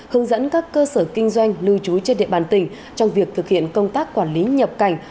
hướng dẫn các cơ sở kinh doanh lưu trú trên địa bàn tỉnh trong việc thực hiện công tác quản lý nhập cảnh